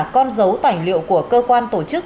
con dấu tảnh liệu của cơ quan tổ chức